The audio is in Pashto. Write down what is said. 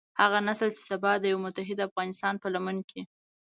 هغه نسل چې سبا د يوه متحد افغانستان په لمن کې.